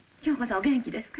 お元気ですか？